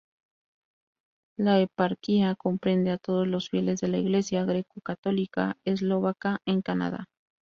La eparquía comprende a todos los fieles de la Iglesia greco-católica eslovaca en Canadá.